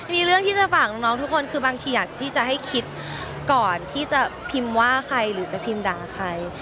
มีเรื่องที่จะฝากของนายคือบางทีอยากจะให้คิดก่อนที่จะพิมว่าใครหรือจะพิมดาใคร